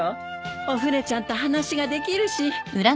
おフネちゃんと話ができるし。